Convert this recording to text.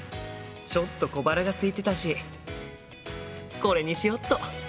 ちょっと小腹がすいてたしこれにしよっと。